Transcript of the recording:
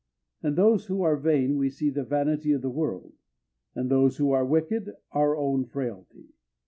In those who are vain we see the vanity of the world, in those who are wicked our own frailty.